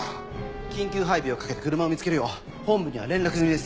緊急配備をかけて車を見つけるよう本部には連絡済みです。